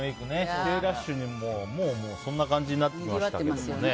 帰省ラッシュで、もうそんな感じになってきましたけどね。